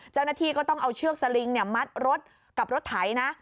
เจ้าหน้าที่ก็ต้องเอาเชือกสลิงมัดรถกับรถไถนะ